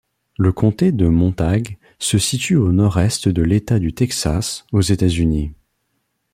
Le comté de Montague se situe au nord-est de l'État du Texas, aux États-Unis.